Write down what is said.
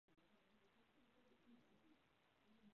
迟迟未定的原因